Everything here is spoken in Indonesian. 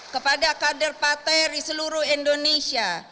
kepada kader partai di seluruh indonesia